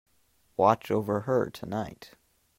Watch over her tonight.